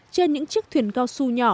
trên những chiếc thuyền gao su nhỏ